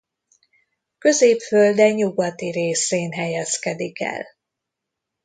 Középfölde nyugati részén helyezkedik el.